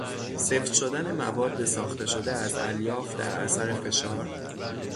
سفت شدن مواد ساخته شده از الیاف در اثر فشار